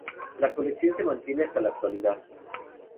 La colección se mantiene hasta la actualidad.